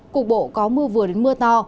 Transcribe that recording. cục bộ có mưa vừa đến mưa to